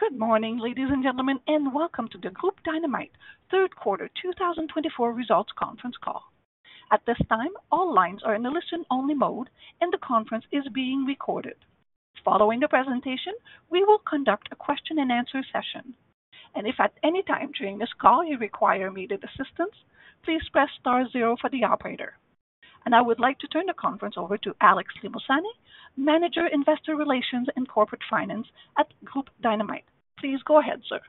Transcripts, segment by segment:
Good morning, ladies and gentlemen, and welcome to the Groupe Dynamite third quarter 2024 results conference call. At this time, all lines are in the listen-only mode, and the conference is being recorded. Following the presentation, we will conduct a question-and-answer session, and if at any time during this call you require immediate assistance, please press star zero for the operator. I would like to turn the conference over to Alex Limosani, Manager, Investor Relations and Corporate Finance at Groupe Dynamite. Please go ahead, sir.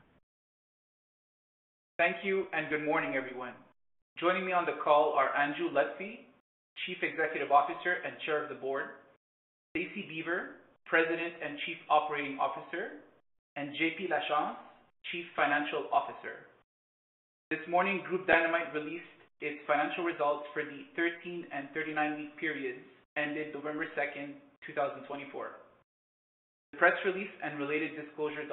Thank you and good morning, everyone. Joining me on the call are Andrew Lutfy, Chief Executive Officer and Chair of the Board, Stacie Beaver, President and Chief Operating Officer, and JP Lachance, Chief Financial Officer. This morning, Groupe Dynamite released its financial results for the 13 and 39-week periods ended November 2nd, 2024. The press release and related disclosure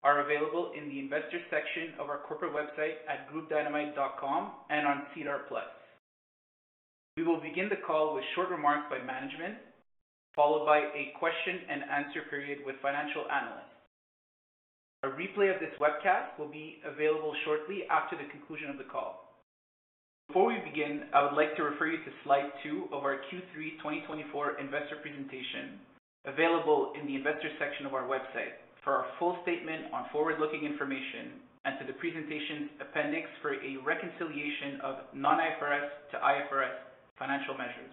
documents are available in the investor section of our corporate website at groupedynamite.com and on. We will begin the call with short remarks by management, followed by a question-and-answer period with financial analysts. A replay of this webcast will be available shortly after the conclusion of the call. Before we begin, I would like to refer you to slide two of our Q3 2024 investor presentation, available in the investor section of our website, for our full statement on forward-looking information and to the presentation's appendix for a reconciliation of non-IFRS to IFRS financial measures.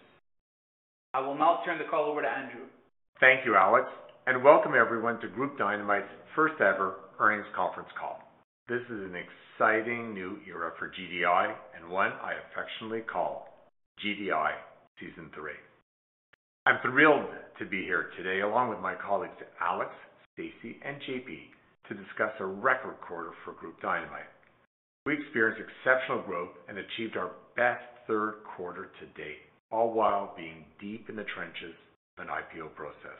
I will now turn the call over to Andrew. Thank you, Alex, and welcome everyone to Groupe Dynamite's first-ever earnings conference call. This is an exciting new era for GDI and one I affectionately call GDI Season Three. I'm thrilled to be here today along with my colleagues Alex, Stacie, and JP to discuss a record quarter for Groupe Dynamite. We experienced exceptional growth and achieved our best third quarter to date, all while being deep in the trenches of an IPO process.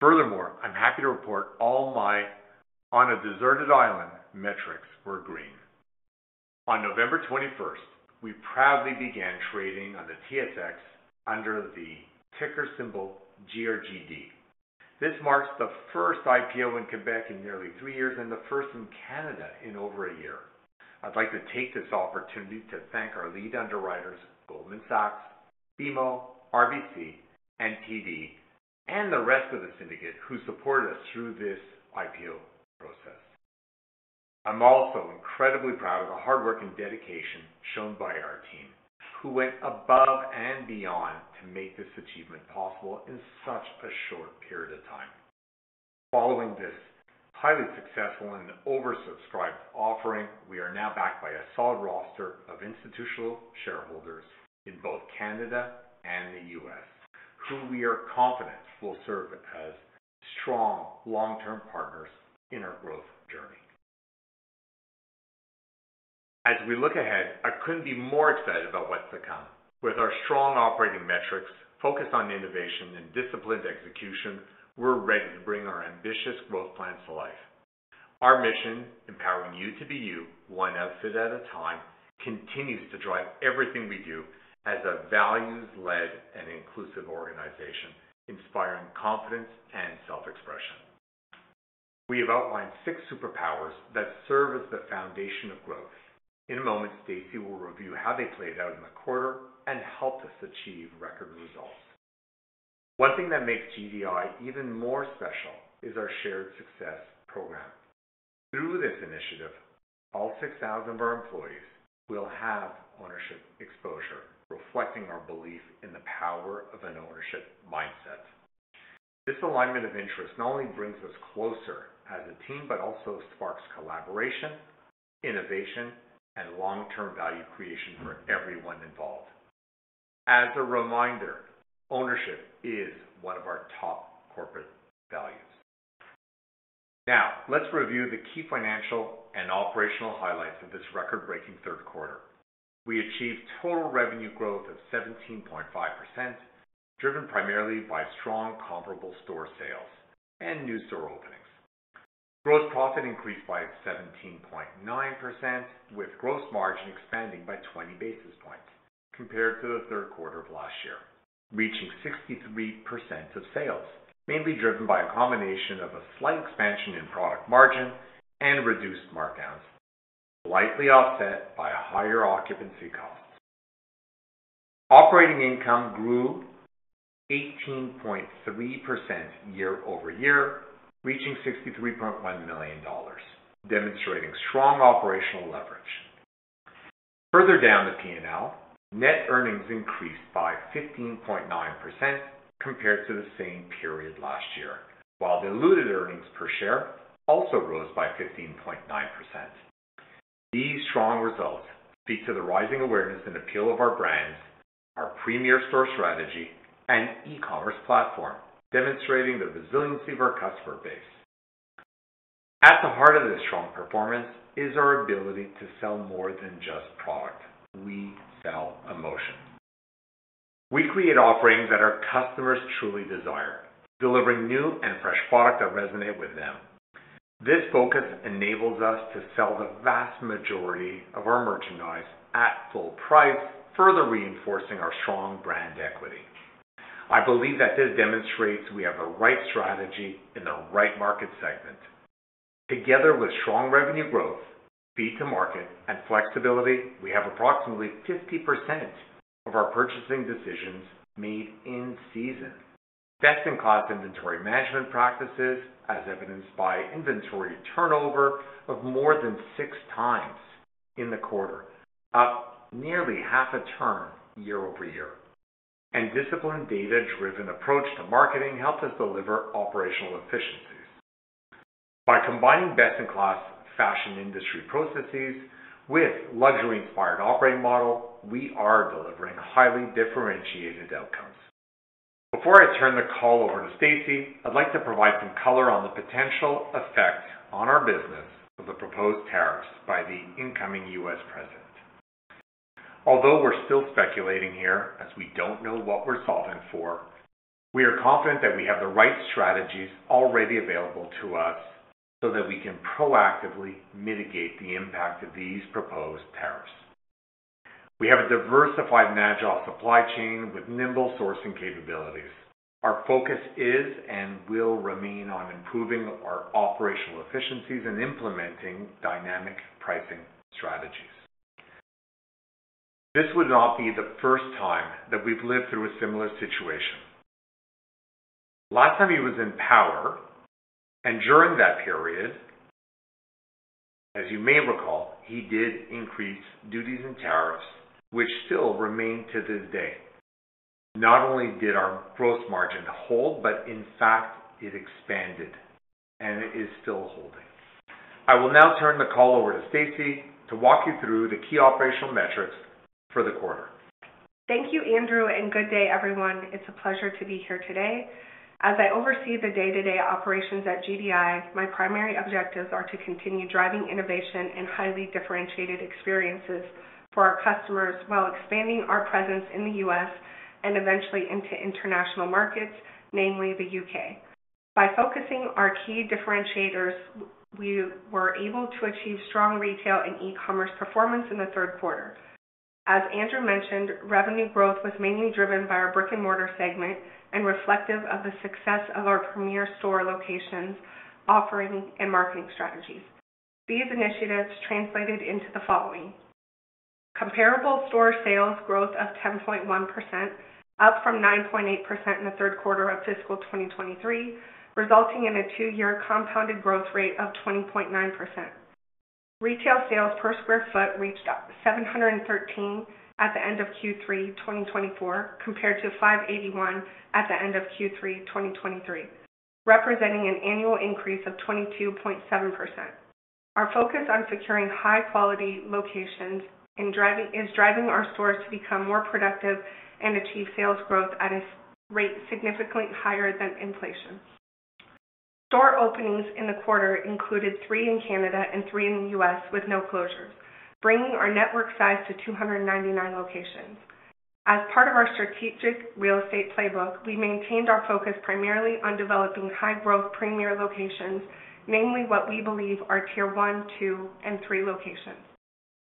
Furthermore, I'm happy to report all my, on a deserted island, metrics were green. On November 21st, we proudly began trading on the TSX under the ticker symbol GRGD. This marks the first IPO in Quebec in nearly three years and the first in Canada in over a year. I'd like to take this opportunity to thank our lead underwriters, Goldman Sachs, BMO, RBC, and TD, and the rest of the syndicate who supported us through this IPO process. I'm also incredibly proud of the hard work and dedication shown by our team, who went above and beyond to make this achievement possible in such a short period of time. Following this highly successful and oversubscribed offering, we are now backed by a solid roster of institutional shareholders in both Canada and the US, who we are confident will serve as strong long-term partners in our growth journey. As we look ahead, I couldn't be more excited about what's to come. With our strong operating metrics, focused on innovation and disciplined execution, we're ready to bring our ambitious growth plans to life. Our mission, empowering you to be you, one outfit at a time, continues to drive everything we do as a values-led and inclusive organization, inspiring confidence and self-expression. We have outlined six superpowers that serve as the foundation of growth. In a moment, Stacie will review how they played out in the quarter and helped us achieve record results. One thing that makes GDI even more special is our shared success program. Through this initiative, all 6,000 of our employees will have ownership exposure, reflecting our belief in the power of an ownership mindset. This alignment of interest not only brings us closer as a team, but also sparks collaboration, innovation, and long-term value creation for everyone involved. As a reminder, ownership is one of our top corporate values. Now, let's review the key financial and operational highlights of this record-breaking third quarter. We achieved total revenue growth of 17.5%, driven primarily by strong comparable store sales and new store openings. Gross profit increased by 17.9%, with gross margin expanding by 20 basis points compared to the third quarter of last year, reaching 63% of sales, mainly driven by a combination of a slight expansion in product margin and reduced markdowns, slightly offset by higher occupancy costs. Operating income grew 18.3% year over year, reaching 63.1 million dollars, demonstrating strong operational leverage. Further down the P&L, net earnings increased by 15.9% compared to the same period last year, while diluted earnings per share also rose by 15.9%. These strong results speak to the rising awareness and appeal of our brands, our premier store strategy, and e-commerce platform, demonstrating the resiliency of our customer base. At the heart of this strong performance is our ability to sell more than just product. We sell emotion. We create offerings that our customers truly desire, delivering new and fresh products that resonate with them. This focus enables us to sell the vast majority of our merchandise at full price, further reinforcing our strong brand equity. I believe that this demonstrates we have the right strategy in the right market segment. Together with strong revenue growth, speed-to-market, and flexibility, we have approximately 50% of our purchasing decisions made in season. Best-in-class inventory management practices, as evidenced by inventory turnover of more than six times in the quarter, up nearly half a turn year over year, and disciplined data-driven approach to marketing helped us deliver operational efficiencies. By combining best-in-class fashion industry processes with a luxury-inspired operating model, we are delivering highly differentiated outcomes. Before I turn the call over to Stacie, I'd like to provide some color on the potential effects on our business of the proposed tariffs by the incoming U.S. president. Although we're still speculating here, as we don't know what we're solving for, we are confident that we have the right strategies already available to us so that we can proactively mitigate the impact of these proposed tariffs. We have a diversified and agile supply chain with nimble sourcing capabilities. Our focus is and will remain on improving our operational efficiencies and implementing dynamic pricing strategies. This would not be the first time that we've lived through a similar situation. Last time he was in power, and during that period, as you may recall, he did increase duties and tariffs, which still remain to this day. Not only did our gross margin hold, but in fact, it expanded, and it is still holding. I will now turn the call over to Stacie to walk you through the key operational metrics for the quarter. Thank you, Andrew, and good day, everyone. It's a pleasure to be here today. As I oversee the day-to-day operations at GDI, my primary objectives are to continue driving innovation and highly differentiated experiences for our customers while expanding our presence in the U.S. and eventually into international markets, namely the U.K. By focusing our key differentiators, we were able to achieve strong retail and e-commerce performance in the third quarter. As Andrew mentioned, revenue growth was mainly driven by our brick-and-mortar segment and reflective of the success of our premier store locations, offering, and marketing strategies. These initiatives translated into the following: comparable store sales growth of 10.1%, up from 9.8% in the third quarter of fiscal 2023, resulting in a two-year compounded growth rate of 20.9%. Retail sales per sq ft reached 713 at the end of Q3 2024, compared to 581 at the end of Q3 2023, representing an annual increase of 22.7%. Our focus on securing high-quality locations is driving our stores to become more productive and achieve sales growth at a rate significantly higher than inflation. Store openings in the quarter included three in Canada and three in the US, with no closures, bringing our network size to 299 locations. As part of our strategic real estate playbook, we maintained our focus primarily on developing high-growth premier locations, namely what we believe are tier one, two, and three locations.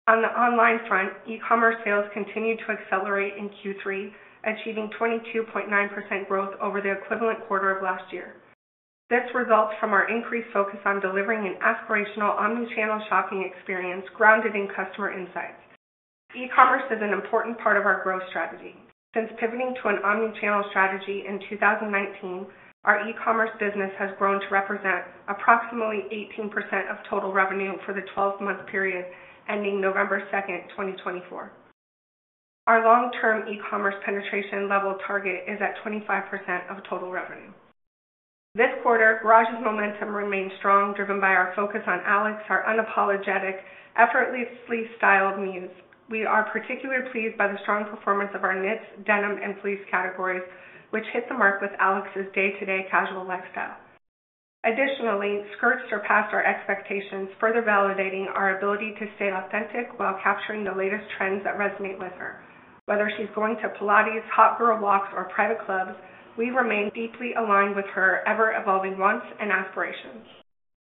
On the online front, e-commerce sales continued to accelerate in Q3, achieving 22.9% growth over the equivalent quarter of last year. This results from our increased focus on delivering an aspirational omnichannel shopping experience grounded in customer insights. E-commerce is an important part of our growth strategy. Since pivoting to an omnichannel strategy in 2019, our e-commerce business has grown to represent approximately 18% of total revenue for the 12-month period ending November 2nd, 2024. Our long-term e-commerce penetration level target is at 25% of total revenue. This quarter, Garage's momentum remained strong, driven by our focus on Alex, our unapologetic, effortlessly styled muse. We are particularly pleased by the strong performance of our knits, denim, and fleece categories, which hit the mark with Alex's day-to-day casual lifestyle. Additionally, skirts surpassed our expectations, further validating our ability to stay authentic while capturing the latest trends that resonate with her. Whether she's going to Pilates, hot girl walks, or private clubs, we remain deeply aligned with her ever-evolving wants and aspirations.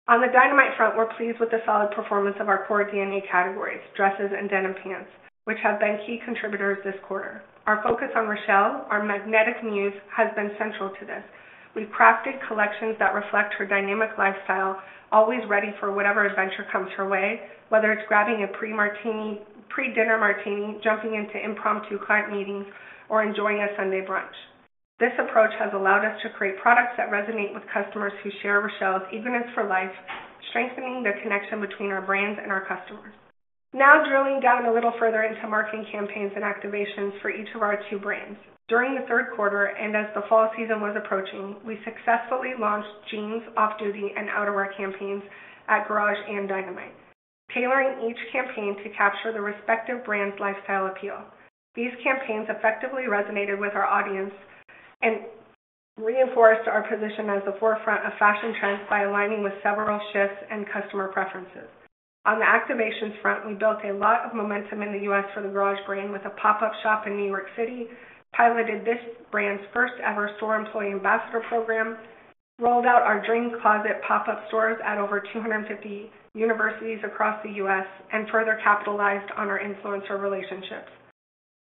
On the Dynamite front, we're pleased with the solid performance of our core DNA categories, dresses and denim pants, which have been key contributors this quarter. Our focus on Rochelle, our magnetic muse, has been central to this. We've crafted collections that reflect her dynamic lifestyle, always ready for whatever adventure comes her way, whether it's grabbing a pre-martini, pre-dinner martini, jumping into impromptu client meetings, or enjoying a Sunday brunch. This approach has allowed us to create products that resonate with customers who share Rochelle's eagerness for life, strengthening the connection between our brands and our customers. Now drilling down a little further into marketing campaigns and activations for each of our two brands. During the third quarter and as the fall season was approaching, we successfully launched Jeans, Off-Duty, and Out-of-Work campaigns at Garage and Dynamite, tailoring each campaign to capture the respective brand's lifestyle appeal. These campaigns effectively resonated with our audience and reinforced our position at the forefront of fashion trends by aligning with several shifts and customer preferences. On the activations front, we built a lot of momentum in the US for the Garage brand with a pop-up shop in New York City, piloted this brand's first-ever store employee ambassador program, rolled out our Dream Closet pop-up stores at over 250 universities across the US, and further capitalized on our influencer relationships.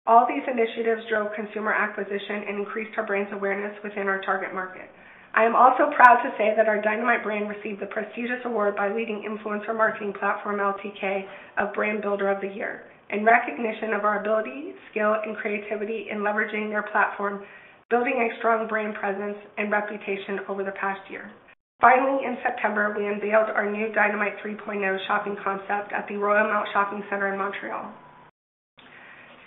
All these initiatives drove consumer acquisition and increased our brand's awareness within our target market. I am also proud to say that our Dynamite brand received the prestigious award by leading influencer marketing platform LTK of Brand Builder of the Year, in recognition of our ability, skill, and creativity in leveraging their platform, building a strong brand presence and reputation over the past year. Finally, in September, we unveiled our new Dynamite 3.0 shopping concept at the Royalmount Shopping Center in Montreal.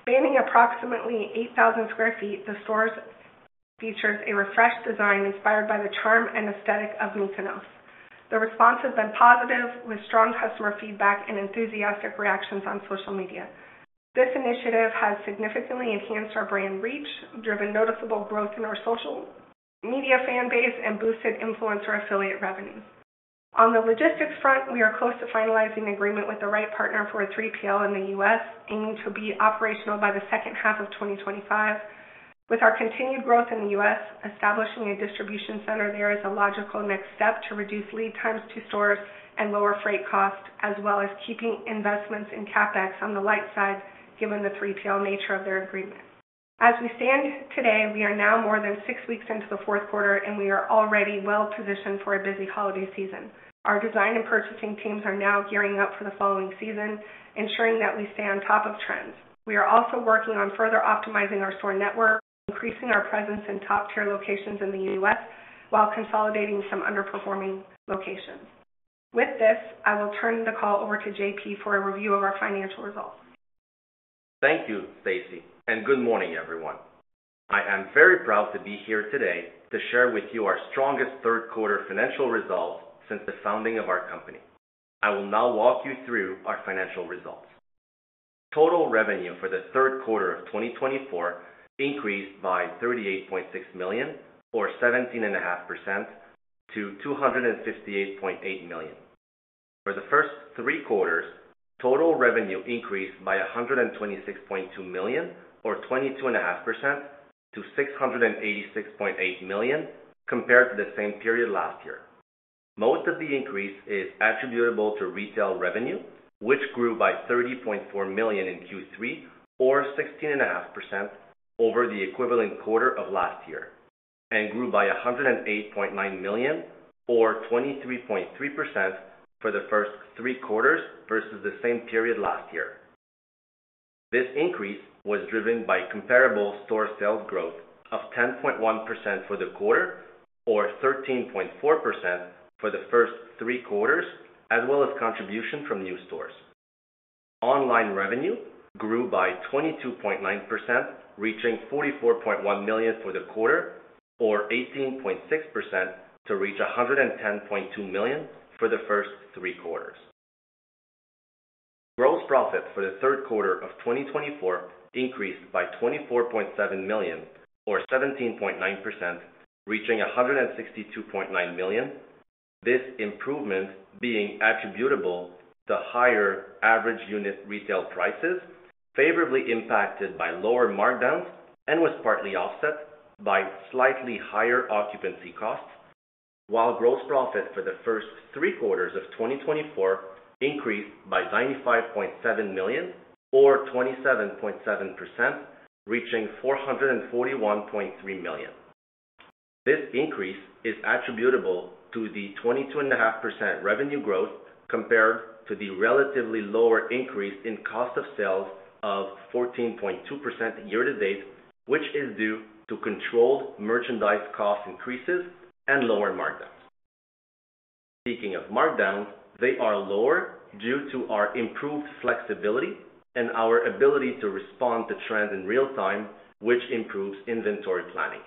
Spanning approximately 8,000 sq ft, the stores feature a refreshed design inspired by the charm and aesthetic of Mykonos. The response has been positive, with strong customer feedback and enthusiastic reactions on social media. This initiative has significantly enhanced our brand reach, driven noticeable growth in our social media fan base, and boosted influencer affiliate revenues. On the logistics front, we are close to finalizing agreement with the right partner for a 3PL in the U.S., aiming to be operational by the second half of 2025. With our continued growth in the U.S., establishing a distribution center there is a logical next step to reduce lead times to stores and lower freight costs, as well as keeping investments in CapEx on the light side, given the 3PL nature of their agreement. As we stand today, we are now more than six weeks into the fourth quarter, and we are already well-positioned for a busy holiday season. Our design and purchasing teams are now gearing up for the following season, ensuring that we stay on top of trends. We are also working on further optimizing our store network, increasing our presence in top-tier locations in the U.S., while consolidating some underperforming locations. With this, I will turn the call over to JP for a review of our financial results. Thank you, Stacie, and good morning, everyone. I am very proud to be here today to share with you our strongest third-quarter financial results since the founding of our company. I will now walk you through our financial results. Total revenue for the third quarter of 2024 increased by 38.6 million, or 17.5%, to 258.8 million. For the first three quarters, total revenue increased by 126.2 million, or 22.5%, to 686.8 million, compared to the same period last year. Most of the increase is attributable to retail revenue, which grew by 30.4 million in Q3, or 16.5%, over the equivalent quarter of last year, and grew by 108.9 million, or 23.3%, for the first three quarters versus the same period last year. This increase was driven by comparable store sales growth of 10.1% for the quarter, or 13.4% for the first three quarters, as well as contribution from new stores. Online revenue grew by 22.9%, reaching 44.1 million for the quarter, or 18.6%, to reach 110.2 million for the first three quarters. Gross profit for the third quarter of 2024 increased by 24.7 million, or 17.9%, reaching 162.9 million. This improvement being attributable to higher average unit retail prices, favorably impacted by lower markdowns and was partly offset by slightly higher occupancy costs, while gross profit for the first three quarters of 2024 increased by 95.7 million, or 27.7%, reaching 441.3 million. This increase is attributable to the 22.5% revenue growth compared to the relatively lower increase in cost of sales of 14.2% year to date, which is due to controlled merchandise cost increases and lower markdowns. Speaking of markdowns, they are lower due to our improved flexibility and our ability to respond to trends in real time, which improves inventory planning.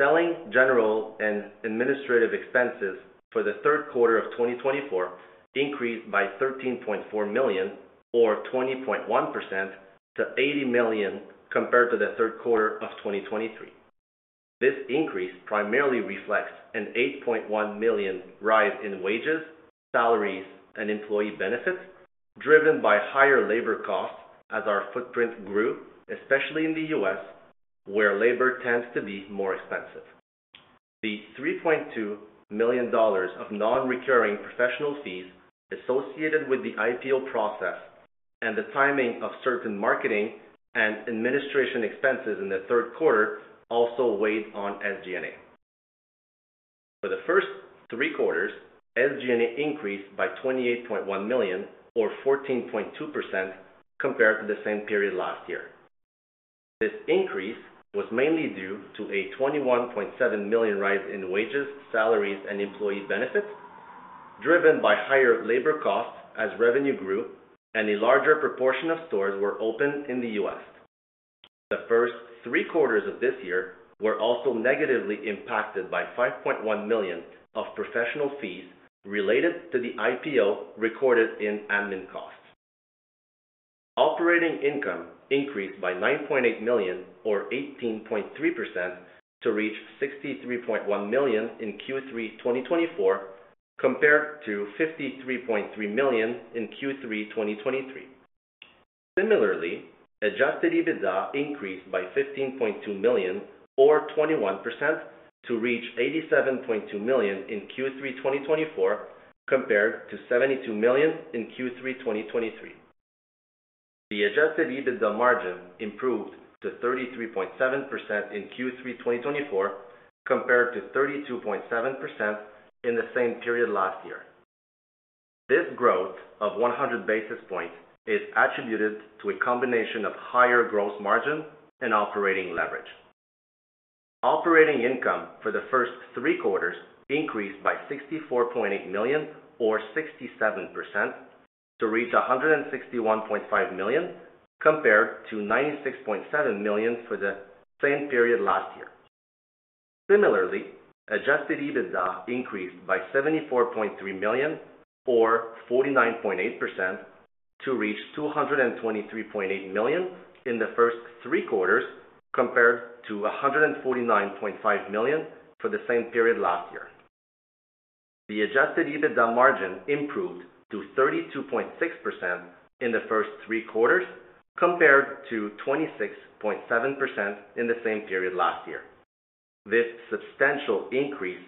Selling, general, and administrative expenses for the third quarter of 2024 increased by 13.4 million, or 20.1%, to 80 million compared to the third quarter of 2023. This increase primarily reflects an 8.1 million rise in wages, salaries, and employee benefits, driven by higher labor costs as our footprint grew, especially in the U.S., where labor tends to be more expensive. The 3.2 million dollars of non-recurring professional fees associated with the IPO process and the timing of certain marketing and administration expenses in the third quarter also weighed on SG&A. For the first three quarters, SG&A increased by 28.1 million, or 14.2%, compared to the same period last year. This increase was mainly due to a 21.7 million rise in wages, salaries, and employee benefits, driven by higher labor costs as revenue grew and a larger proportion of stores were open in the U.S. The first three quarters of this year were also negatively impacted by 5.1 million of professional fees related to the IPO recorded in admin costs. Operating income increased by 9.8 million, or 18.3%, to reach 63.1 million in Q3 2024, compared to 53.3 million in Q3 2023. Similarly, adjusted EBITDA increased by 15.2 million, or 21%, to reach 87.2 million in Q3 2024, compared to 72 million in Q3 2023. The adjusted EBITDA margin improved to 33.7% in Q3 2024, compared to 32.7% in the same period last year. This growth of 100 basis points is attributed to a combination of higher gross margin and operating leverage. Operating income for the first three quarters increased by 64.8 million, or 67%, to reach 161.5 million, compared to 96.7 million for the same period last year. Similarly, adjusted EBITDA increased by 74.3 million, or 49.8%, to reach 223.8 million in the first three quarters, compared to 149.5 million for the same period last year. The adjusted EBITDA margin improved to 32.6% in the first three quarters, compared to 26.7% in the same period last year. This substantial increase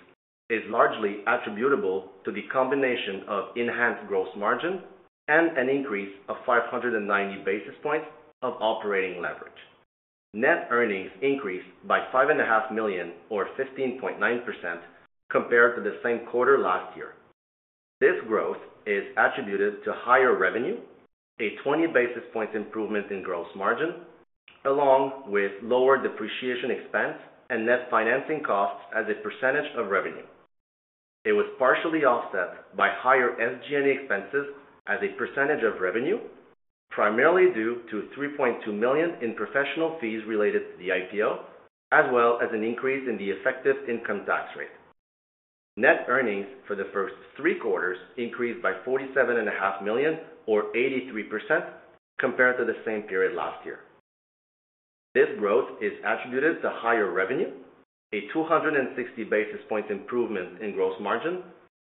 is largely attributable to the combination of enhanced gross margin and an increase of 590 basis points of operating leverage. Net earnings increased by 5.5 million, or 15.9%, compared to the same quarter last year. This growth is attributed to higher revenue, a 20 basis points improvement in gross margin, along with lower depreciation expense and net financing costs as a percentage of revenue. It was partially offset by higher SG&A expenses as a percentage of revenue, primarily due to 3.2 million in professional fees related to the IPO, as well as an increase in the effective income tax rate. Net earnings for the first three quarters increased by 47.5 million, or 83%, compared to the same period last year. This growth is attributed to higher revenue, a 260 basis points improvement in gross margin,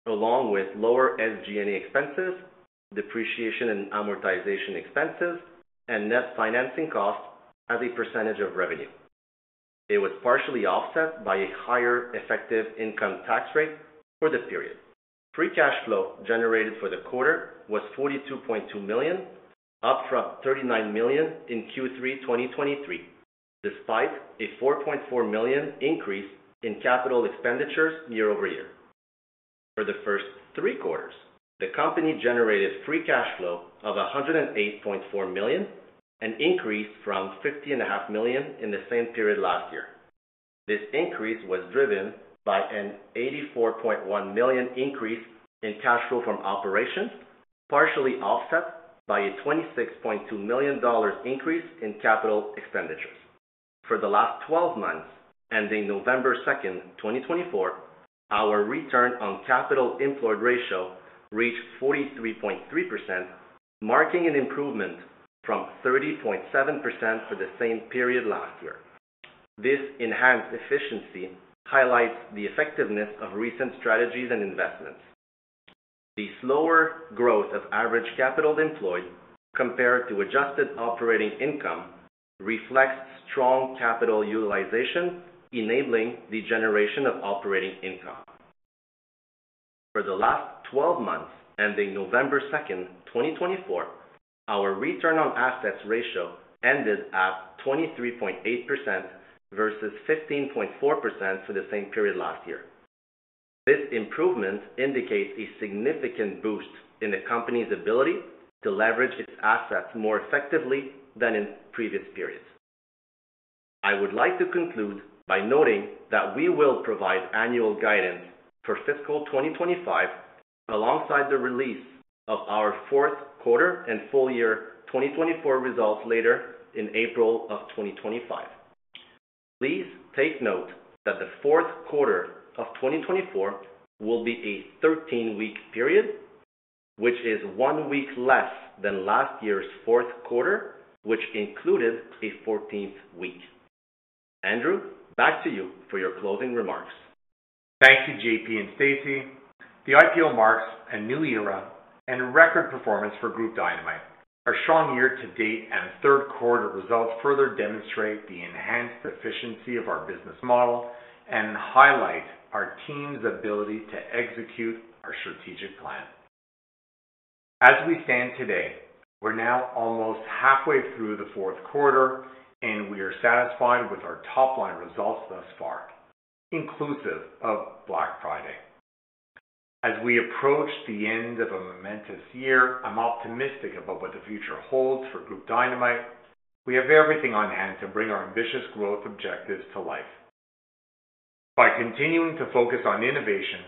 along with lower SG&A expenses, depreciation and amortization expenses, and net financing costs as a percentage of revenue. It was partially offset by a higher effective income tax rate for the period. Free cash flow generated for the quarter was 42.2 million, up from 39 million in Q3 2023, despite a 4.4 million increase in capital expenditures year over year. For the first three quarters, the company generated free cash flow of 108.4 million, an increase from 50.5 million in the same period last year. This increase was driven by a 84.1 million increase in cash flow from operations, partially offset by a 26.2 million dollars increase in capital expenditures. For the last 12 months, ending November 2, 2024, our return on capital employed ratio reached 43.3%, marking an improvement from 30.7% for the same period last year. This enhanced efficiency highlights the effectiveness of recent strategies and investments. The slower growth of average capital employed compared to adjusted operating income reflects strong capital utilization, enabling the generation of operating income. For the last 12 months, ending November 2, 2024, our return on assets ratio ended at 23.8% versus 15.4% for the same period last year. This improvement indicates a significant boost in the company's ability to leverage its assets more effectively than in previous periods. I would like to conclude by noting that we will provide annual guidance for fiscal 2025 alongside the release of our fourth quarter and full year 2024 results later in April of 2025. Please take note that the fourth quarter of 2024 will be a 13-week period, which is one week less than last year's fourth quarter, which included a 14th week. Andrew, back to you for your closing remarks. Thank you, JP and Stacie. The IPO marks a new era and record performance for Groupe Dynamite. Our strong year to date and third quarter results further demonstrate the enhanced efficiency of our business model and highlight our team's ability to execute our strategic plan. As we stand today, we're now almost halfway through the fourth quarter, and we are satisfied with our top-line results thus far, inclusive of Black Friday. As we approach the end of a momentous year, I'm optimistic about what the future holds for Groupe Dynamite. We have everything on hand to bring our ambitious growth objectives to life. By continuing to focus on innovation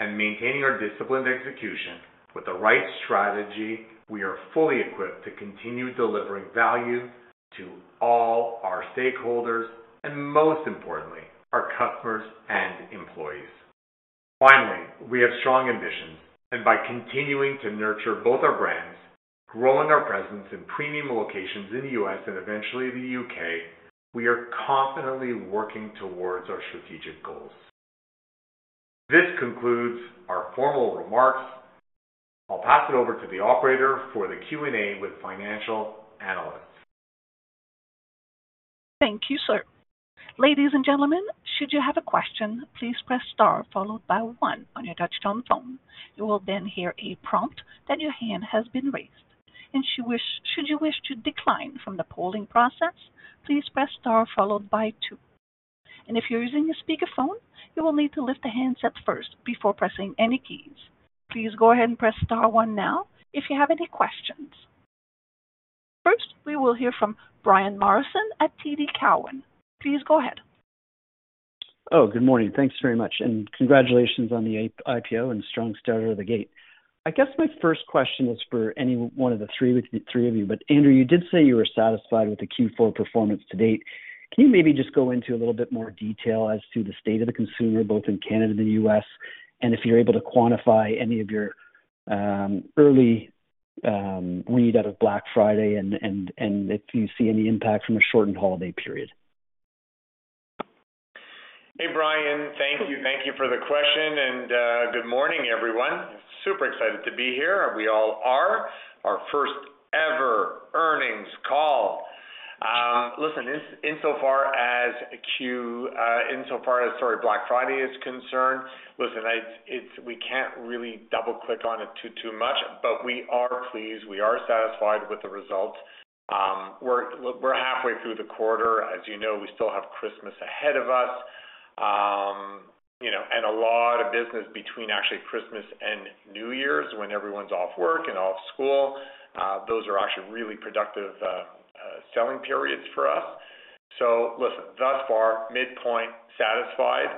and maintaining our disciplined execution with the right strategy, we are fully equipped to continue delivering value to all our stakeholders and, most importantly, our customers and employees. Finally, we have strong ambitions, and by continuing to nurture both our brands, growing our presence in premium locations in the U.S. and eventually the U.K., we are confidently working towards our strategic goals. This concludes our formal remarks. I'll pass it over to the operator for the Q&A with financial analysts. Thank you, sir. Ladies and gentlemen, should you have a question, please press star followed by one on your touch-tone phone. You will then hear a prompt that your hand has been raised. And should you wish to decline from the polling process, please press star followed by two. And if you're using a speakerphone, you will need to lift the handset up first before pressing any keys. Please go ahead and press star one now if you have any questions. First, we will hear from Brian Morrison at TD Cowen. Please go ahead. Oh, good morning. Thanks very much. And congratulations on the IPO and strong start out of the gate. I guess my first question is for any one of the three of you. But, Andrew, you did say you were satisfied with the Q4 performance to date. Can you maybe just go into a little bit more detail as to the state of the consumer, both in Canada and the U.S., and if you're able to quantify any of your early read out of Black Friday and if you see any impact from a shortened holiday period? Hey, Brian. Thank you. Thank you for the question. Good morning, everyone. Super excited to be here. We all are. Our first ever earnings call. Listen, insofar as, sorry, Black Friday is concerned, listen, we can't really double-click on it too much, but we are pleased. We are satisfied with the results. We're halfway through the quarter. As you know, we still have Christmas ahead of us, and a lot of business between actually Christmas and New Year's when everyone's off work and off school. Those are actually really productive selling periods for us. So listen, thus far, midpoint satisfied.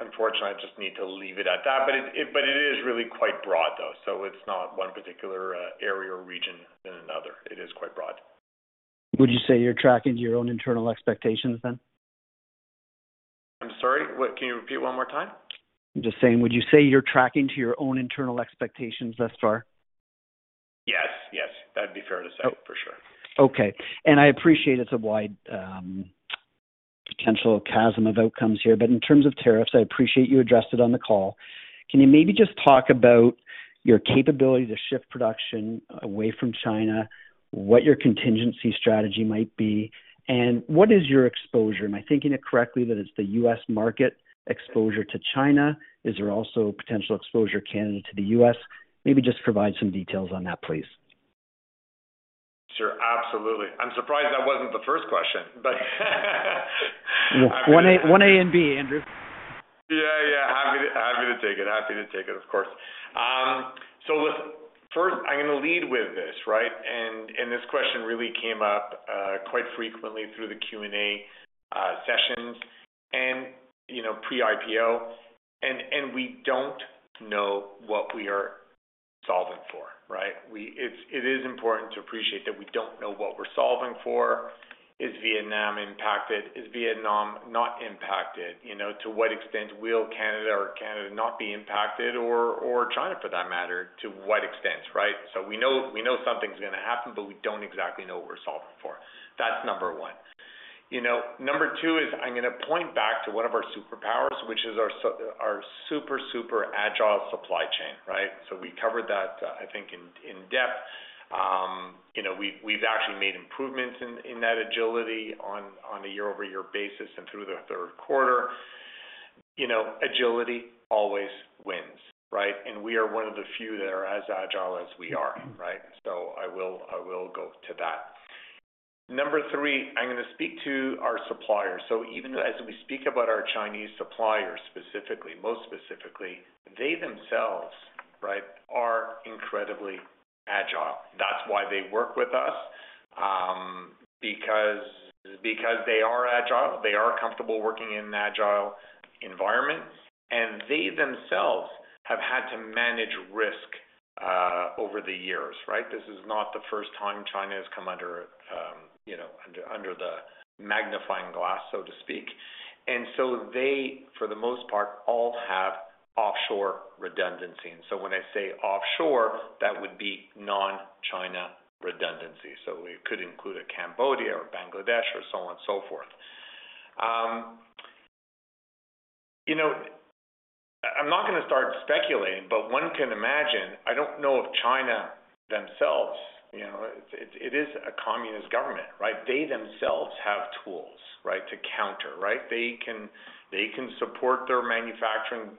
Unfortunately, I just need to leave it at that, but it is really quite broad, though. So it's not one particular area or region than another. It is quite broad. Would you say you're tracking to your own internal expectations then? I'm sorry? Can you repeat one more time? I'm just saying, would you say you're tracking to your own internal expectations thus far? Yes. Yes. That'd be fair to say, for sure. Okay, and I appreciate it's a wide potential chasm of outcomes here. But in terms of tariffs, I appreciate you addressed it on the call. Can you maybe just talk about your capability to shift production away from China, what your contingency strategy might be, and what is your exposure? Am I thinking it correctly that it's the U.S. market exposure to China? Is there also potential exposure, Canada, to the U.S.? Maybe just provide some details on that, please. Sure. Absolutely. I'm surprised that wasn't the first question, but. One A and B, Andrew. Yeah, yeah. Happy to take it. Happy to take it, of course. So listen, first, I'm going to lead with this, right? And this question really came up quite frequently through the Q&A sessions and pre-IPO. And we don't know what we are solving for, right? It is important to appreciate that we don't know what we're solving for. Is Vietnam impacted? Is Vietnam not impacted? To what extent will Canada or Canada not be impacted, or China for that matter, to what extent, right? So we know something's going to happen, but we don't exactly know what we're solving for. That's number one. Number two is I'm going to point back to one of our superpowers, which is our super, super agile supply chain, right? So we covered that, I think, in depth. We've actually made improvements in that agility on a year-over-year basis and through the third quarter. Agility always wins, right? And we are one of the few that are as agile as we are, right? So I will go to that. Number three, I'm going to speak to our suppliers. So even as we speak about our Chinese suppliers specifically, most specifically, they themselves, right, are incredibly agile. That's why they work with us, because they are agile. They are comfortable working in an agile environment. And they themselves have had to manage risk over the years, right? This is not the first time China has come under the magnifying glass, so to speak. And so they, for the most part, all have offshore redundancy. And so when I say offshore, that would be non-China redundancy. So it could include Cambodia or Bangladesh or so on and so forth. I'm not going to start speculating, but one can imagine, I don't know if China themselves, it is a communist government, right? They themselves have tools, right, to counter, right? They can support their manufacturing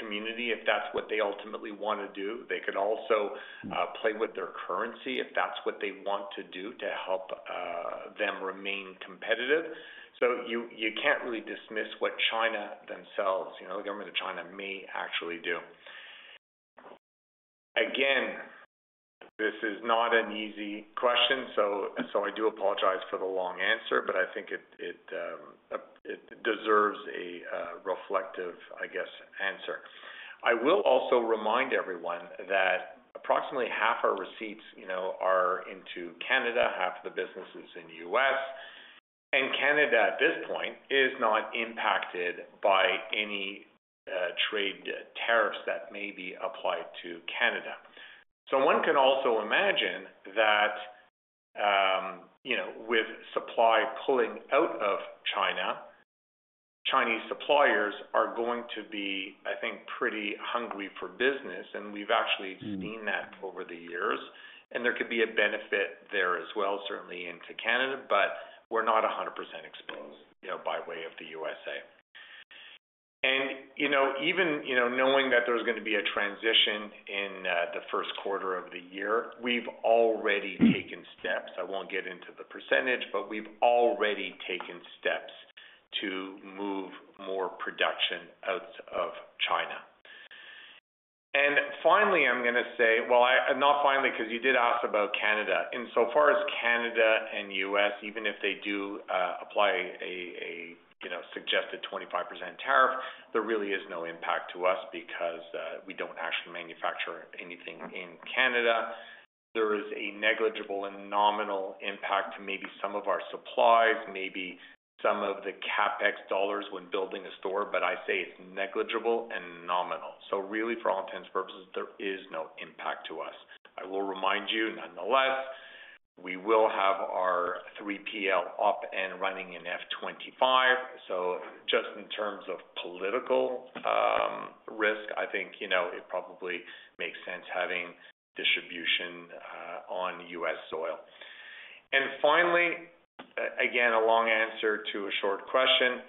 community if that's what they ultimately want to do. They could also play with their currency if that's what they want to do to help them remain competitive. So you can't really dismiss what China themselves, the government of China, may actually do. Again, this is not an easy question, so I do apologize for the long answer, but I think it deserves a reflective, I guess, answer. I will also remind everyone that approximately half our receipts are into Canada, half of the business is in the U.S., and Canada at this point is not impacted by any trade tariffs that may be applied to Canada. One can also imagine that with supply pulling out of China, Chinese suppliers are going to be, I think, pretty hungry for business. And we've actually seen that over the years. And there could be a benefit there as well, certainly, into Canada, but we're not 100% exposed by way of the USA. And even knowing that there's going to be a transition in the first quarter of the year, we've already taken steps. I won't get into the percentage, but we've already taken steps to move more production out of China. And finally, I'm going to say, well, not finally because you did ask about Canada. Insofar as Canada and U.S., even if they do apply a suggested 25% tariff, there really is no impact to us because we don't actually manufacture anything in Canada. There is a negligible and nominal impact to maybe some of our supplies, maybe some of the CapEx dollars when building a store, but I say it's negligible and nominal, so really, for all intents and purposes, there is no impact to us. I will remind you, nonetheless, we will have our 3PL up and running in F25, so just in terms of political risk, I think it probably makes sense having distribution on U.S. soil, and finally, again, a long answer to a short question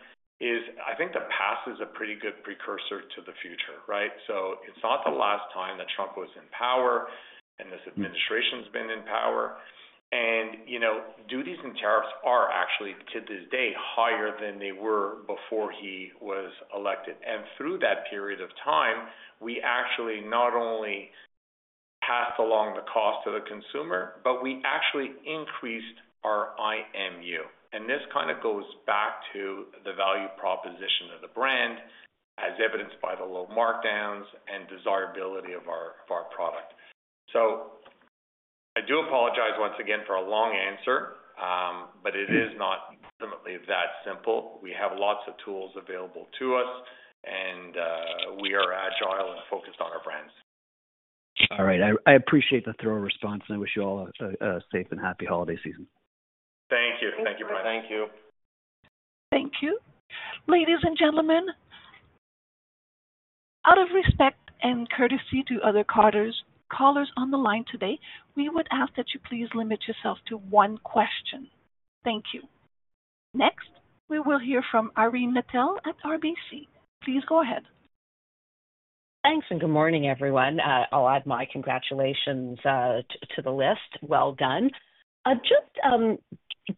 is I think the past is a pretty good precursor to the future, right, so it's not the last time that Trump was in power and this administration's been in power, and duties and tariffs are actually, to this day, higher than they were before he was elected. And through that period of time, we actually not only passed along the cost to the consumer, but we actually increased our IMU. And this kind of goes back to the value proposition of the brand, as evidenced by the low markdowns and desirability of our product. So I do apologize once again for a long answer, but it is not ultimately that simple. We have lots of tools available to us, and we are agile and focused on our brands. All right. I appreciate the thorough response, and I wish you all a safe and happy holiday season. Thank you. Thank you, Brian. Thank you. Thank you. Ladies and gentlemen, out of respect and courtesy to other callers on the line today, we would ask that you please limit yourself to one question. Thank you. Next, we will hear from Irene Nattel at RBC. Please go ahead. Thanks, and good morning, everyone. I'll add my congratulations to the list. Well done. Just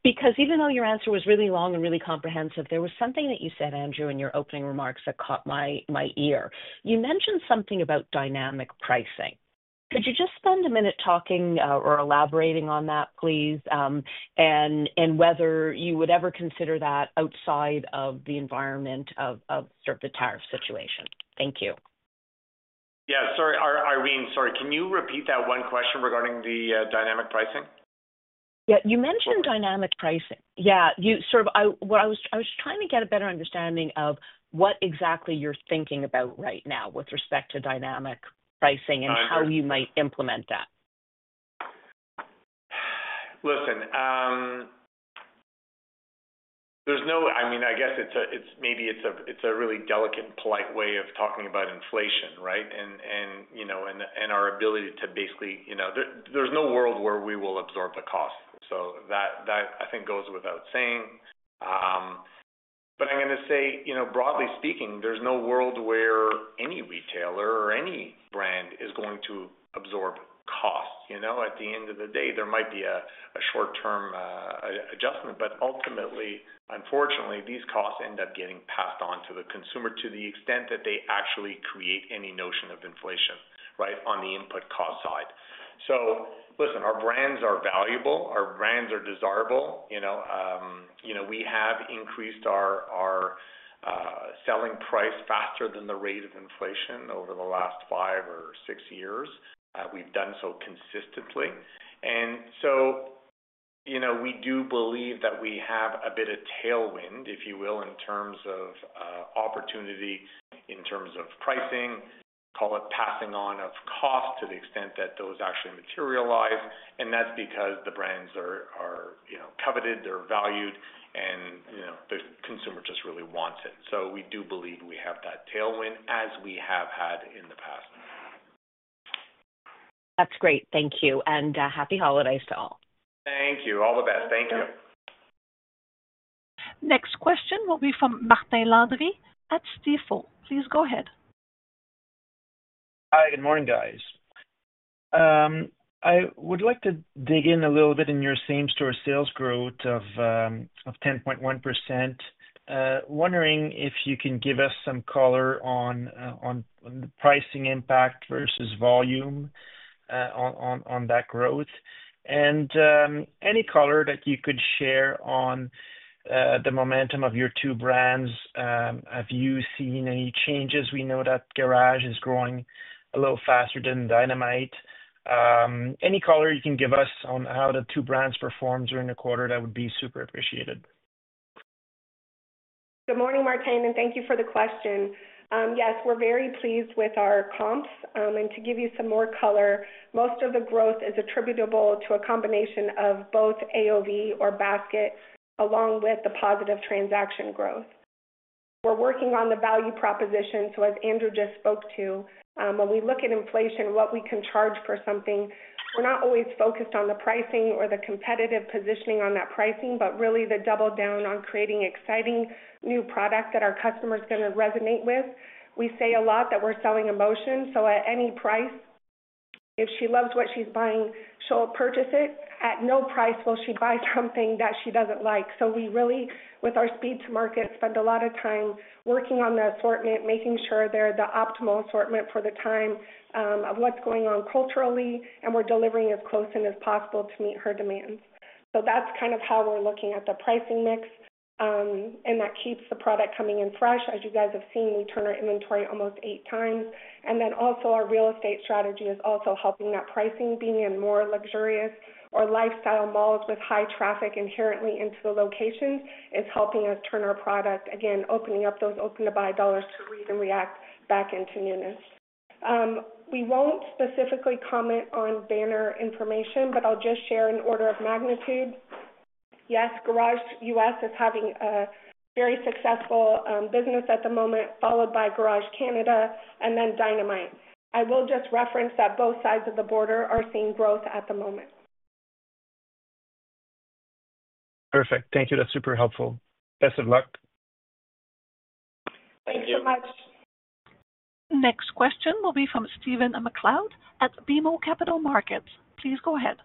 because even though your answer was really long and really comprehensive, there was something that you said, Andrew, in your opening remarks that caught my ear. You mentioned something about dynamic pricing. Could you just spend a minute talking or elaborating on that, please, and whether you would ever consider that outside of the environment of the tariff situation? Thank you. Yeah. Sorry, Irene, sorry. Can you repeat that one question regarding the dynamic pricing? Yeah. You mentioned dynamic pricing. Yeah. Sort of what I was trying to get a better understanding of what exactly you're thinking about right now with respect to dynamic pricing and how you might implement that. Listen, there's no. I mean, I guess maybe it's a really delicate and polite way of talking about inflation, right? And our ability to basically. There's no world where we will absorb the cost. So that, I think, goes without saying. But I'm going to say, broadly speaking, there's no world where any retailer or any brand is going to absorb costs. At the end of the day, there might be a short-term adjustment, but ultimately, unfortunately, these costs end up getting passed on to the consumer to the extent that they actually create any notion of inflation, right, on the input cost side. So listen, our brands are valuable. Our brands are desirable. We have increased our selling price faster than the rate of inflation over the last five or six years. We've done so consistently. And so we do believe that we have a bit of tailwind, if you will, in terms of opportunity, in terms of pricing, call it passing on of cost to the extent that those actually materialize. And that's because the brands are coveted, they're valued, and the consumer just really wants it. So we do believe we have that tailwind as we have had in the past. That's great. Thank you and happy holidays to all. Thank you. All the best. Thank you. Next question will be from Martin Landry at Stifel. Please go ahead. Hi. Good morning, guys. I would like to dig in a little bit in your same-store sales growth of 10.1%. Wondering if you can give us some color on the pricing impact versus volume on that growth, and any color that you could share on the momentum of your two brands? Have you seen any changes? We know that Garage is growing a little faster than Dynamite. Any color you can give us on how the two brands perform during the quarter? That would be super appreciated. Good morning, Martin, and thank you for the question. Yes, we're very pleased with our comps. And to give you some more color, most of the growth is attributable to a combination of both AOV or basket along with the positive transaction growth. We're working on the value proposition. So as Andrew just spoke to, when we look at inflation, what we can charge for something, we're not always focused on the pricing or the competitive positioning on that pricing, but really the double down on creating exciting new products that our customers are going to resonate with. We say a lot that we're selling emotion. So at any price, if she loves what she's buying, she'll purchase it. At no price will she buy something that she doesn't like. So we really, with our speed to market, spend a lot of time working on the assortment, making sure they're the optimal assortment for the time of what's going on culturally, and we're delivering as close in as possible to meet her demands. So that's kind of how we're looking at the pricing mix. And that keeps the product coming in fresh. As you guys have seen, we turn our inventory almost eight times. And then also our real estate strategy is also helping that pricing, being in more luxurious or lifestyle malls with high traffic inherently into the locations is helping us turn our product, again, opening up those open-to-buy dollars to read and react back into newness. We won't specifically comment on banner information, but I'll just share an order of magnitude. Yes, Garage US is having a very successful business at the moment, followed by Garage Canada, and then Dynamite. I will just reference that both sides of the border are seeing growth at the moment. Perfect. Thank you. That's super helpful. Best of luck. Thank you so much. Next question will be from Stephen MacLeod at BMO Capital Markets. Please go ahead.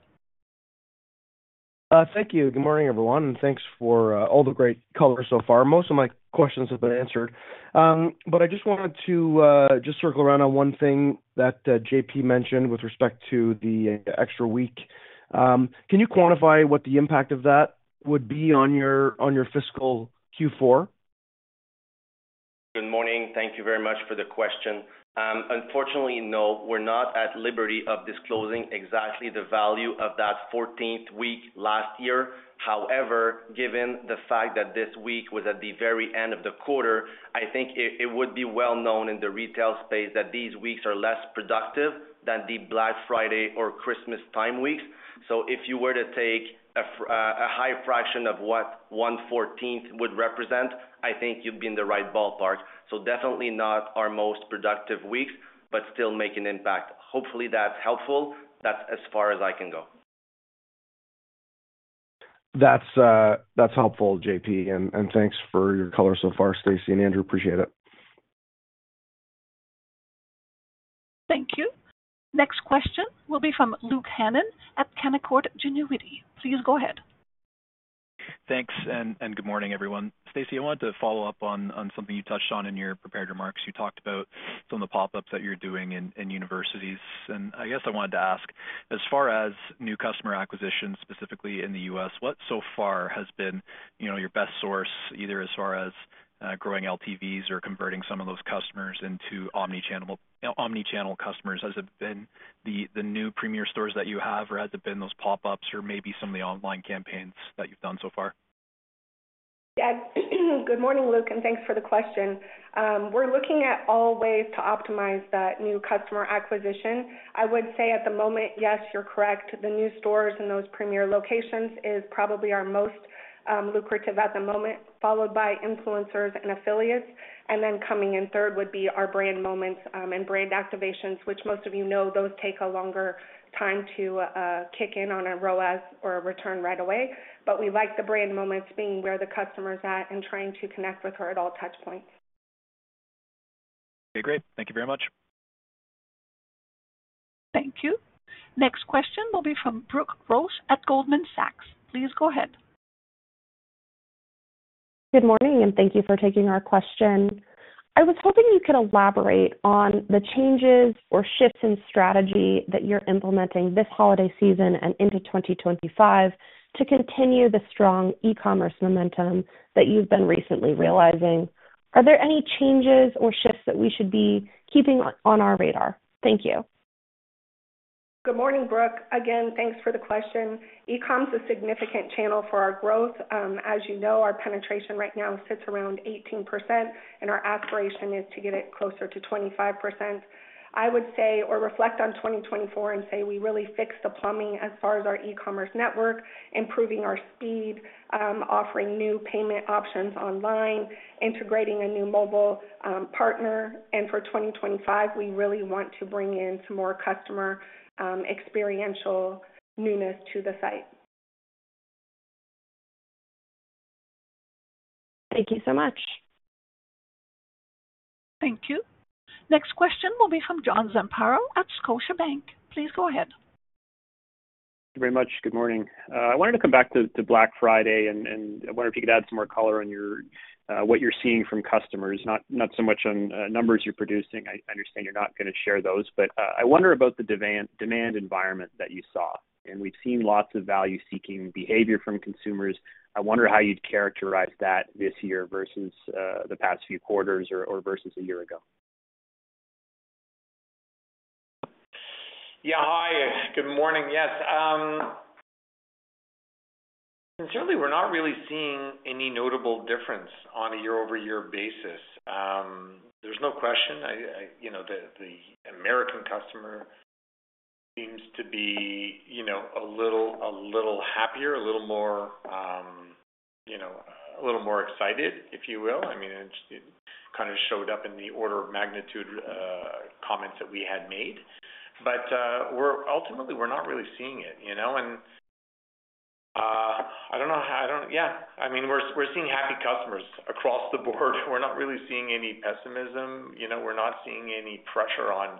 Thank you. Good morning, everyone. And thanks for all the great callers so far. Most of my questions have been answered. But I just wanted to just circle around on one thing that JP mentioned with respect to the extra week. Can you quantify what the impact of that would be on your fiscal Q4? Good morning. Thank you very much for the question. Unfortunately, no. We're not at liberty of disclosing exactly the value of that 14th week last year. However, given the fact that this week was at the very end of the quarter, I think it would be well known in the retail space that these weeks are less productive than the Black Friday or Christmas time weeks. So if you were to take a high fraction of what 1/14 would represent, I think you'd be in the right ballpark. So definitely not our most productive weeks, but still make an impact. Hopefully, that's helpful. That's as far as I can go. That's helpful, JP. And thanks for your color so far, Stacie and Andrew. Appreciate it. Thank you. Next question will be from Luke Hannan at Canaccord Genuity. Please go ahead. Thanks. Good morning, everyone. Stacie, I wanted to follow up on something you touched on in your prepared remarks. You talked about some of the pop-ups that you're doing in universities. And I guess I wanted to ask, as far as new customer acquisition, specifically in the U.S., what so far has been your best source, either as far as growing LTVs or converting some of those customers into omnichannel customers? Has it been the new premier stores that you have, or has it been those pop-ups, or maybe some of the online campaigns that you've done so far? Good morning, Luke, and thanks for the question. We're looking at all ways to optimize that new customer acquisition. I would say at the moment, yes, you're correct. The new stores in those premier locations is probably our most lucrative at the moment, followed by influencers and affiliates. And then coming in third would be our brand moments and brand activations, which most of you know those take a longer time to kick in on a ROAS or a return right away. But we like the brand moments being where the customer's at and trying to connect with her at all touch points. Okay. Great. Thank you very much. Thank you. Next question will be from Brooke Roach at Goldman Sachs. Please go ahead. Good morning, and thank you for taking our question. I was hoping you could elaborate on the changes or shifts in strategy that you're implementing this holiday season and into 2025 to continue the strong e-commerce momentum that you've been recently realizing. Are there any changes or shifts that we should be keeping on our radar? Thank you. Good morning, Brooke. Again, thanks for the question. E-com is a significant channel for our growth. As you know, our penetration right now sits around 18%, and our aspiration is to get it closer to 25%. I would say or reflect on 2024 and say we really fixed the plumbing as far as our e-commerce network, improving our speed, offering new payment options online, integrating a new mobile partner, and for 2025, we really want to bring in some more customer experiential newness to the site. Thank you so much. Thank you. Next question will be from John Zamparo at Scotiabank. Please go ahead. Thank you very much. Good morning. I wanted to come back to Black Friday, and I wonder if you could add some more color on what you're seeing from customers, not so much on numbers you're producing. I understand you're not going to share those, but I wonder about the demand environment that you saw. And we've seen lots of value-seeking behavior from consumers. I wonder how you'd characterize that this year versus the past few quarters or versus a year ago? Yeah. Hi. Good morning. Yes. Sincerely, we're not really seeing any notable difference on a year-over-year basis. There's no question. The American customer seems to be a little happier, a little more excited, if you will. I mean, it kind of showed up in the order of magnitude comments that we had made. But ultimately, we're not really seeing it. And I don't know. Yeah. I mean, we're seeing happy customers across the board. We're not really seeing any pessimism. We're not seeing any pressure on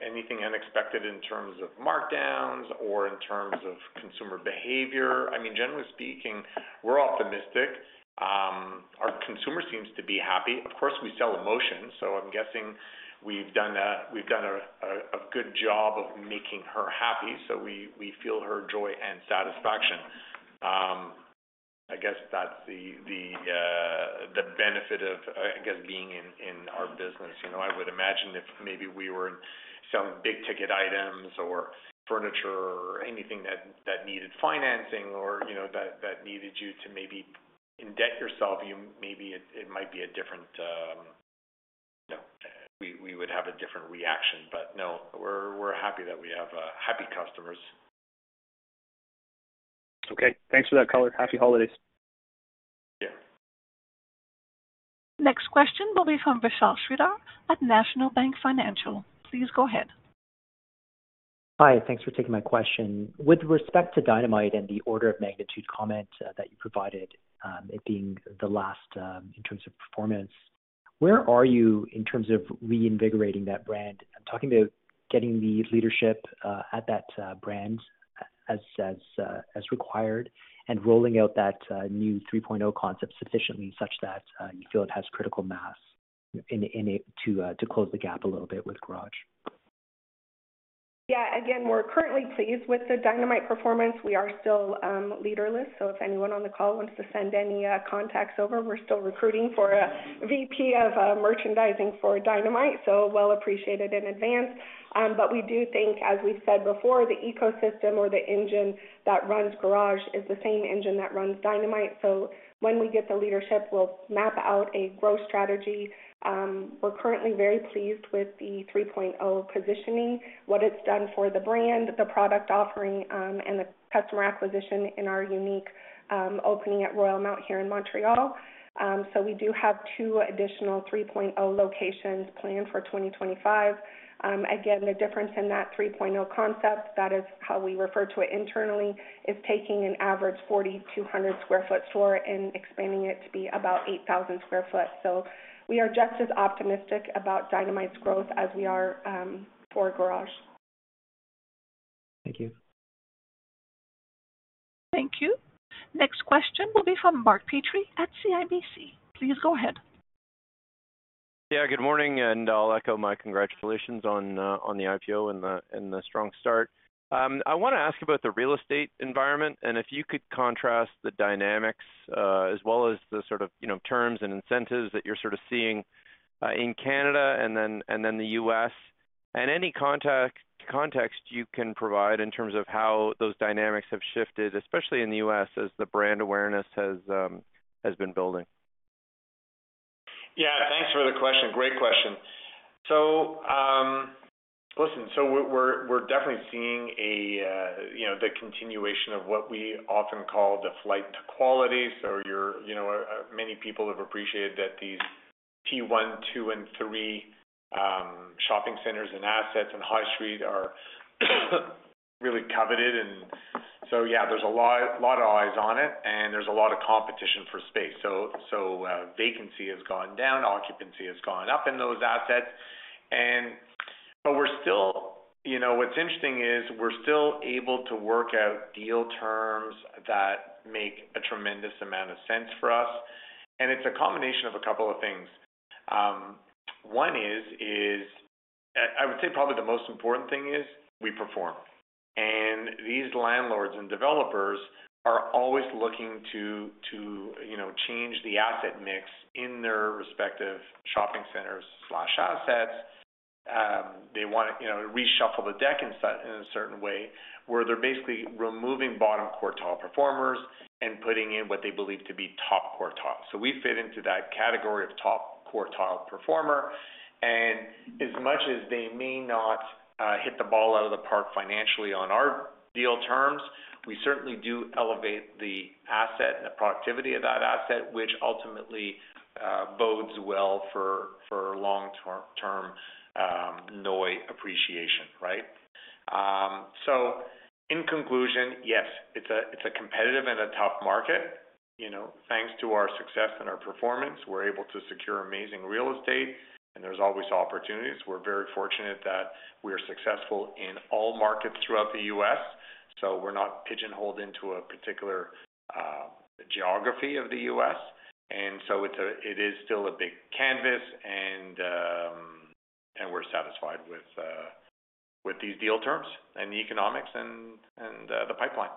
anything unexpected in terms of markdowns or in terms of consumer behavior. I mean, generally speaking, we're optimistic. Our consumer seems to be happy. Of course, we sell emotion. So I'm guessing we've done a good job of making her happy. So we feel her joy and satisfaction. I guess that's the benefit of, I guess, being in our business. I would imagine if maybe we were selling big-ticket items or furniture or anything that needed financing or that needed you to maybe in debt yourself, maybe it might be a different. We would have a different reaction. But no, we're happy that we have happy customers. Okay. Thanks for that color. Happy holidays. Thank you. Next question will be from Vishal Shreedhar at National Bank Financial. Please go ahead. Hi. Thanks for taking my question. With respect to Dynamite and the order of magnitude comment that you provided, it being the last in terms of performance, where are you in terms of reinvigorating that brand? I'm talking about getting the leadership at that brand as required and rolling out that new 3.0 concept sufficiently such that you feel it has critical mass to close the gap a little bit with Garage. Yeah. Again, we're currently pleased with the Dynamite performance. We are still leaderless. So if anyone on the call wants to send any contacts over, we're still recruiting for a VP of merchandising for Dynamite. So well appreciated in advance. But we do think, as we've said before, the ecosystem or the engine that runs Garage is the same engine that runs Dynamite. So when we get the leadership, we'll map out a growth strategy. We're currently very pleased with the 3.0 positioning, what it's done for the brand, the product offering, and the customer acquisition in our unique opening at Royalmount here in Montreal. So we do have two additional 3.0 locations planned for 2025. Again, the difference in that 3.0 concept, that is how we refer to it internally, is taking an average 4,200 sq ft store and expanding it to be about 8,000 sq ft. So we are just as optimistic about Dynamite's growth as we are for Garage. Thank you. Thank you. Next question will be from Mark Petrie at CIBC. Please go ahead. Yeah. Good morning, and I'll echo my congratulations on the IPO and the strong start. I want to ask about the real estate environment and if you could contrast the dynamics as well as the sort of terms and incentives that you're sort of seeing in Canada and then the U.S. and any context you can provide in terms of how those dynamics have shifted, especially in the U.S., as the brand awareness has been building? Yeah. Thanks for the question. Great question. So listen, so we're definitely seeing the continuation of what we often call the flight to quality. So many people have appreciated that these P1, 2, and 3 shopping centers and assets and high street are really coveted. And so yeah, there's a lot of eyes on it, and there's a lot of competition for space. So vacancy has gone down, occupancy has gone up in those assets. But what's interesting is we're still able to work out deal terms that make a tremendous amount of sense for us. And it's a combination of a couple of things. One is, I would say probably the most important thing is we perform. And these landlords and developers are always looking to change the asset mix in their respective shopping centers/assets. They want to reshuffle the deck in a certain way where they're basically removing bottom quartile performers and putting in what they believe to be top quartile. So we fit into that category of top quartile performer. And as much as they may not hit the ball out of the park financially on our deal terms, we certainly do elevate the asset and the productivity of that asset, which ultimately bodes well for long-term lease appreciation, right, so in conclusion, yes, it's a competitive and a tough market. Thanks to our success and our performance, we're able to secure amazing real estate, and there's always opportunities. We're very fortunate that we are successful in all markets throughout the U.S., so we're not pigeonholed into a particular geography of the U.S. And so it is still a big canvas, and we're satisfied with these deal terms and the economics and the pipeline.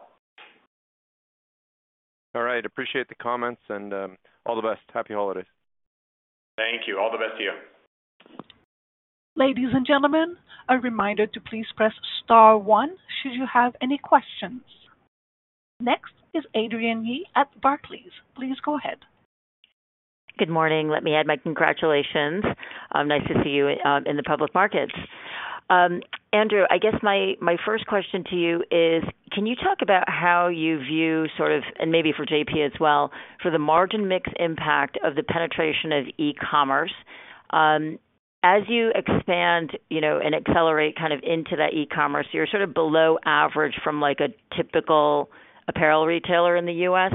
All right. Appreciate the comments and all the best. Happy holidays. Thank you. All the best to you. Ladies and gentlemen, a reminder to please press star one should you have any questions. Next is Adrienne Yih at Barclays. Please go ahead. Good morning. Let me add my congratulations. Nice to see you in the public markets. Andrew, I guess my first question to you is, can you talk about how you view sort of, and maybe for JP as well, for the margin mix impact of the penetration of e-commerce? As you expand and accelerate kind of into that e-commerce, you're sort of below average from a typical apparel retailer in the U.S.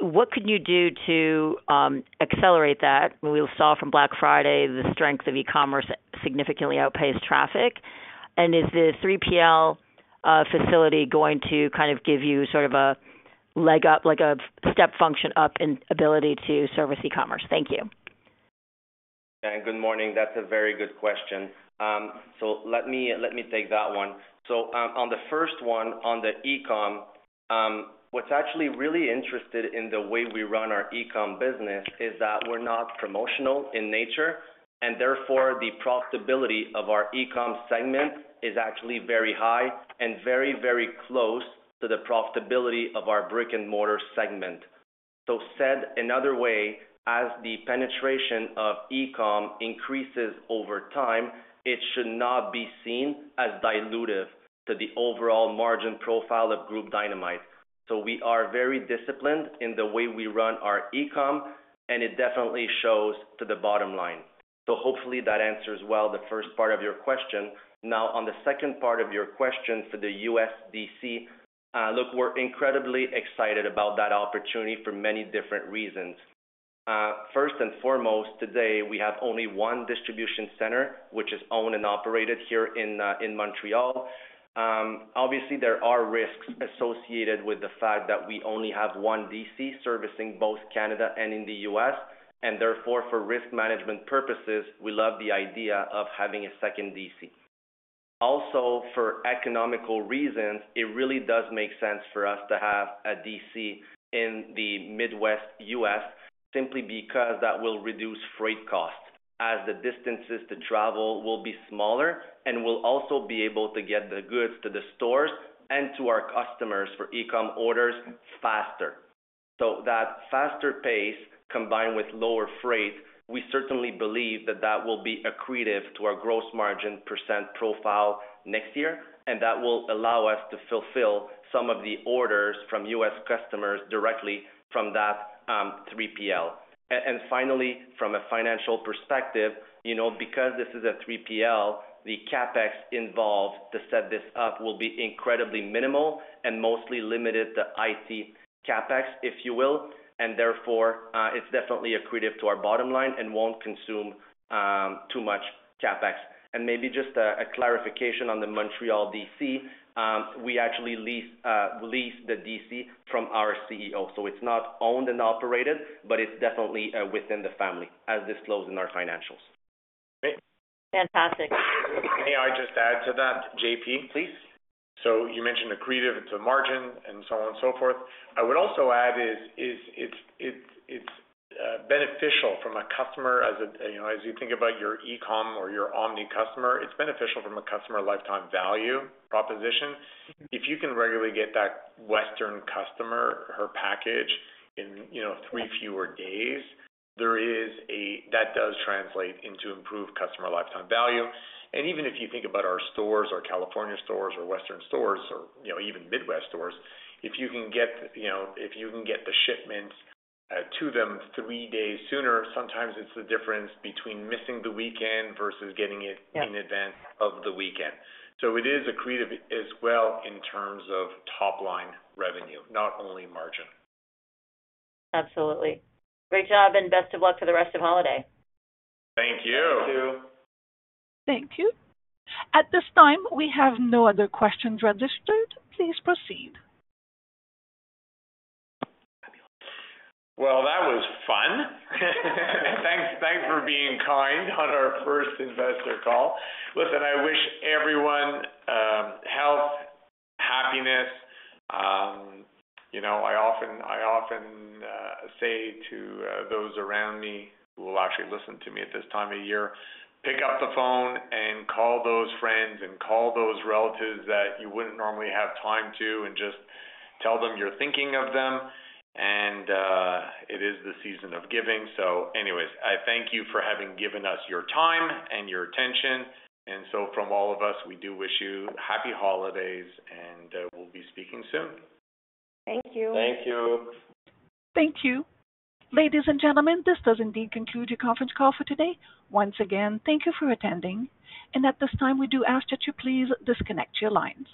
What can you do to accelerate that? We saw from Black Friday, the strength of e-commerce significantly outpaced traffic. And is the 3PL facility going to kind of give you sort of a leg up, like a step function up in ability to service e-commerce? Thank you. Good morning. That's a very good question. Let me take that one. On the first one, on the e-com, what's actually really interested in the way we run our e-com business is that we're not promotional in nature, and therefore the profitability of our e-com segment is actually very high and very, very close to the profitability of our brick-and-mortar segment. Said another way, as the penetration of e-com increases over time, it should not be seen as dilutive to the overall margin profile of Groupe Dynamite. We are very disciplined in the way we run our e-com, and it definitely shows to the bottom line. Hopefully that answers well the first part of your question. Now, on the second part of your question for the U.S. DC, look, we're incredibly excited about that opportunity for many different reasons. First and foremost, today, we have only one distribution center, which is owned and operated here in Montreal. Obviously, there are risks associated with the fact that we only have one DC servicing both Canada and in the U.S. And therefore, for risk management purposes, we love the idea of having a second DC. Also, for economical reasons, it really does make sense for us to have a DC in the Midwest U.S. simply because that will reduce freight costs as the distances to travel will be smaller and will also be able to get the goods to the stores and to our customers for e-com orders faster. So that faster pace combined with lower freight, we certainly believe that that will be accretive to our gross margin % profile next year, and that will allow us to fulfill some of the orders from U.S. customers directly from that 3PL. And finally, from a financial perspective, because this is a 3PL, the CapEx involved to set this up will be incredibly minimal and mostly limited to IT CapEx, if you will. And therefore, it's definitely accretive to our bottom line and won't consume too much CapEx. And maybe just a clarification on the Montreal DC, we actually lease the DC from our CEO. So it's not owned and operated, but it's definitely within the family as this flows in our financials. Great. Fantastic. May I just add to that, JP? Please. So you mentioned accretive to margin and so on and so forth. I would also add is it's beneficial from a customer as you think about your e-com or your omni customer. It's beneficial from a customer lifetime value proposition. If you can regularly get that Western customer her package in three fewer days, that does translate into improved customer lifetime value. And even if you think about our stores, our California stores or Western stores or even Midwest stores, if you can get the shipments to them three days sooner, sometimes it's the difference between missing the weekend versus getting it in advance of the weekend. So it is accretive as well in terms of top-line revenue, not only margin. Absolutely. Great job and best of luck for the rest of holiday. Thank you. Thank you. Thank you. At this time, we have no other questions registered. Please proceed. Well, that was fun. Thanks for being kind on our first investor call. Listen, I wish everyone health, happiness. I often say to those around me who will actually listen to me at this time of year, pick up the phone and call those friends and call those relatives that you wouldn't normally have time to and just tell them you're thinking of them. And it is the season of giving. So anyways, I thank you for having given us your time and your attention. And so from all of us, we do wish you happy holidays, and we'll be speaking soon. Thank you. Thank you. Thank you. Ladies and gentlemen, this does indeed conclude your conference call for today. Once again, thank you for attending. And at this time, we do ask that you please disconnect your lines.